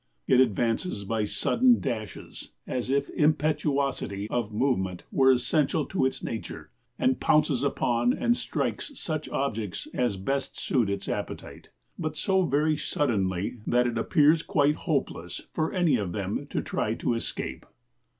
It advances by sudden dashes, as if impetuosity of movement were essential to its nature, and pounces upon and strikes such objects as best suit its appetite, but so very suddenly that it appears quite hopeless for any of them to try to escape."